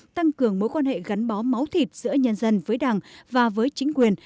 tăng cường mối quan hệ gắn bó máu thịt giữa nhân dân với đảng và với chính quyền